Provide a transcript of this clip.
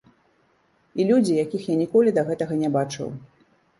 І людзі, якіх я ніколі да гэтага не бачыў.